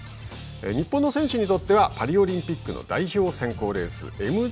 日本の選手にとってはパリオリンピックの選考レース。